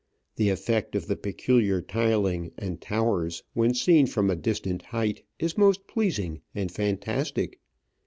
The effect of the peculiar tiling and towers when seen from a distant height is most pleasing and fantastic.